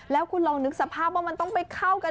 แล้วคุณลองนึกสภาพว่ามันต้องไปเข้ากัน